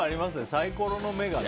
サイコロの目がね。